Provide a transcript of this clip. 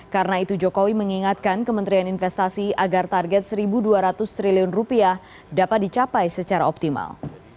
karena itu jokowi mengingatkan kementerian investasi agar target rp satu dua ratus triliun dapat dicapai secara optimal